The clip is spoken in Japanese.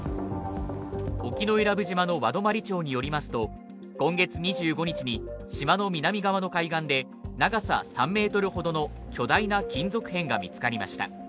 沖永良部島の和泊町によりますと、今月２５日に島の南側の海岸で長さ３ｍほどの巨大な金属片が見つかりました。